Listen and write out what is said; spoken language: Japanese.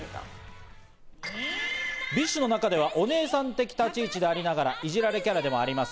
ＢｉＳＨの中ではお姉さん的立ち位置でありながら、いじられキャラでもあります